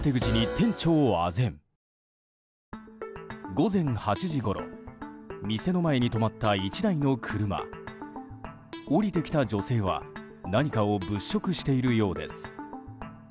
午前８時ごろ店の前に止まった１台の車。降りてきた女性は何かを物色しているようです。